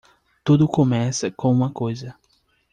Tudo começa com uma coisa.